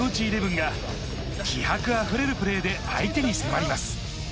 イレブンが、気迫あふれるプレーで相手に迫ります。